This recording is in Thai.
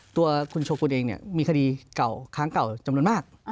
ตัวคุณโชกุลเองเนี่ยมีคดีเก่าครั้งเก่าจำนวนมาก